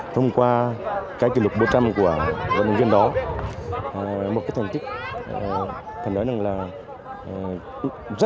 phá kỷ lục cũ bốn mươi giây bốn mươi bảy